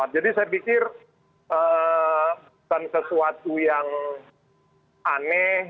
jadi saya pikir bukan sesuatu yang aneh